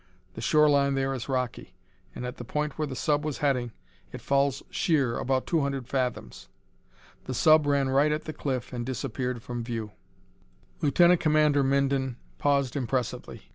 The shore line there is rocky, and, at the point where the sub was heading, it falls sheer about two hundred fathoms. The sub ran right at the cliff and disappeared from view." Lieutenant Commander Minden paused impressively.